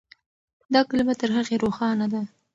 دا کلمه تر هغې روښانه ده.